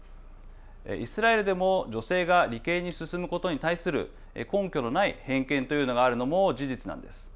イスラエルでも女性が理系に進むことに対する根拠のない偏見というのがあるのも事実なんです。